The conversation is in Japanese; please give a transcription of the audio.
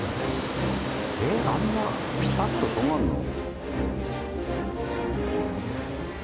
えっあんなピタッと止まるの？